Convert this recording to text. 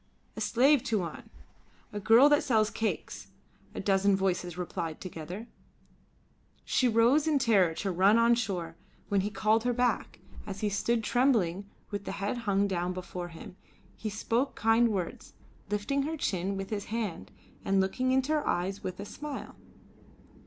"A slave, Tuan! A girl that sells cakes," a dozen voices replied together. She rose in terror to run on shore, when he called her back; and as she stood trembling with head hung down before him, he spoke kind words, lifting her chin with his hand and looking into her eyes with a smile.